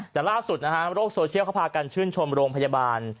แต่ล่าสุดนะฮะโรคโซเชียลเขาพากันชื่นชมโรงพยาบาล